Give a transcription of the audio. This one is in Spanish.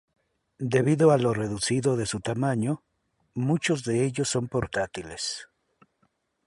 Debido a lo reducido de su tamaño, muchos de ellos son portátiles.